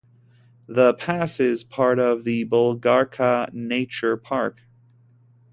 The pass is part of the Bulgarka Nature Park.